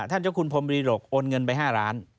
เจ้าคุณพรมบรีหลกโอนเงินไป๕ล้าน